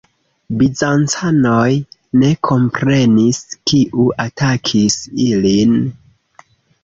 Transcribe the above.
Bizancanoj ne komprenis, kiu atakis ilin.